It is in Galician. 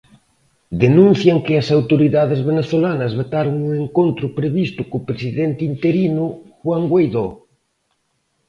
Denuncian que as autoridades venezolanas vetaron o encontro previsto co presidente interino Juan Guaidó.